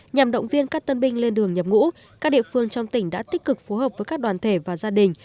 nhằm động viên các tân binh lên đường nhập ngũ các địa phương trong tỉnh đã tích cực phối hợp với các đoàn thể và gia đình